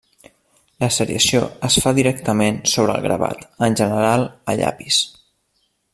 La seriació es fa directament sobre el gravat, en general a llapis.